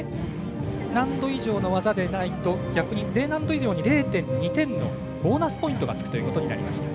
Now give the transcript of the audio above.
Ｄ難度以上の技でないと逆にＤ難度以上に０．２点のボーナスポイントがつくということになりました。